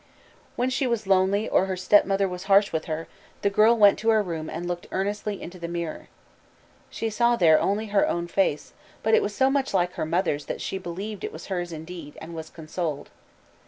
When she was lonely or her stepmother was harsh with her, the girl went to her room and looked earnestly into the mirror. She saw there only her own face, but it was so much like her mother's that she believed it was hers indeed, and was consoled.